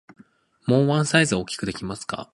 もうワンサイズ大きくできますか？